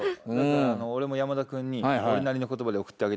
俺も山田君に俺なりの言葉で送ってあげたんよ。